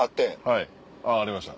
はいありました。